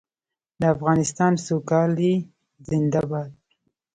د افغانستان سوکالي زنده باد.